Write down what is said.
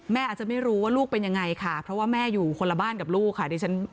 อาจจะไม่รู้ว่าลูกเป็นยังไงค่ะเพราะว่าแม่อยู่คนละบ้านกับลูกค่ะ